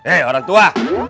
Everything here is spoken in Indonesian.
eh orang tua